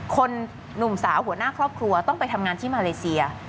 หนุ่มสาวหัวหน้าครอบครัวต้องไปทำงานที่มาเลเซีย